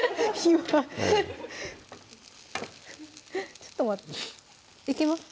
ちょっと待っていけます？